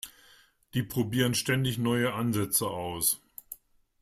Die probieren ständig neue Ansätze aus.